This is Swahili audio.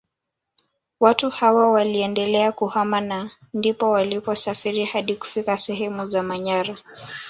Watu hawa waliendelea kuhama na ndipo waliposafiri hadi kufika sehemu za Manyara